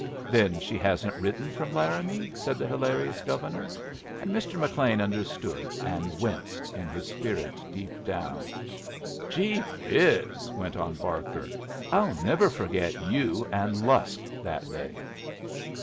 "Then she hasn't written from Laramie," said the hilarious Governor, and Mr. McLean understood and winced in his spirit deep down. "Gee whiz!" went on Barker, "I'll never forget you and Lusk that day!"